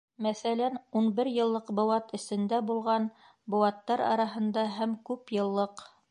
Мәҫәлән, ун бер йыллыҡ, быуат эсендә булған, быуаттар араһында һәм күп йыллыҡ.